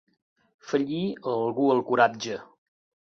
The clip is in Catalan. Fallir a algú el coratge.